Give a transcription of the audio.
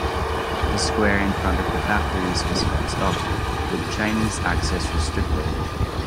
The square in front of the factories was fenced off, with Chinese access restricted.